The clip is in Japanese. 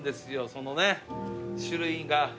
そのね種類が。